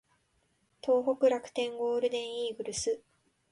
東北楽天ゴールデンイーグルス